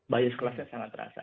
bias kelasnya sangat terasa